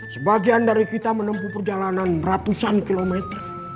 sebagian dari kita menempuh perjalanan ratusan kilometer